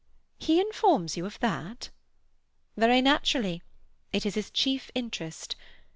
"He informs you of that?" "Very naturally. It is his chief interest.